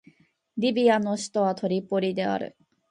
リビアの首都はトリポリである